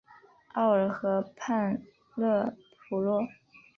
奥尔河畔勒普若。